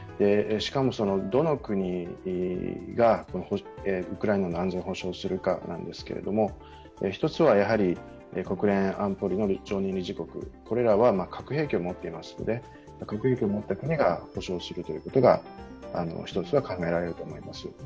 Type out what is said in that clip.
しかも、どの国がウクライナの安全を保証するかなんですけれども、１つは国連安保理の常任理事国それらは核兵器を持っていますよね、核兵器を持った国が保証するということが一つは考えられると思います。